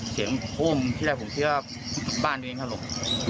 เสียงห้มที่แรกผมคิดว่าบ้านนี้มันกันหรอก